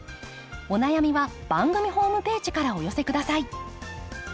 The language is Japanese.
お悩みは番組ホームページからお寄せ下さい。